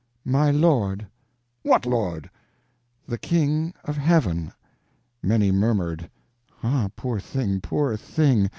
"My Lord." "What Lord?" "The King of Heaven." Many murmured, "Ah, poor thing, poor thing!"